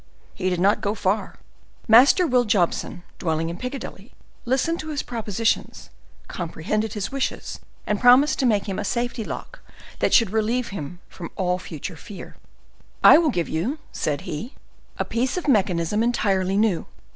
He did not go far; Master Will Jobson, dwelling in Piccadilly, listened to his propositions, comprehended his wishes, and promised to make him a safety lock that should relieve him from all future fear. "I will give you," said he, "a piece of mechanism entirely new.